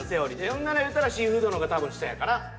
ほんならいうたらシーフードの方が多分下やから。